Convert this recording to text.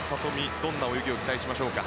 どんな泳ぎを期待しましょうか。